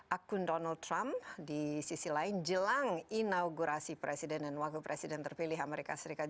akun donald trump di sisi lain jelang inaugurasi presiden dan wakil presiden terpilih amerika serikat